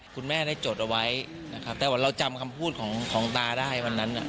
คุณแม่ได้จดเอาไว้นะครับแต่ว่าเราจำคำพูดของตาได้วันนั้น